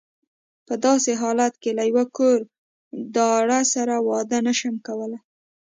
په داسې حالت کې له یوه کور داره سره واده نه شم کولای.